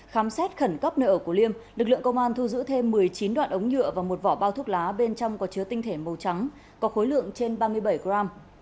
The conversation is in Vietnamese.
khám xét khẩn cấp nơi ở của liêm lực lượng công an thu giữ thêm một mươi chín đoạn ống nhựa và một vỏ bao thuốc lá bên trong có chứa tinh thể màu trắng có khối lượng trên ba mươi bảy gram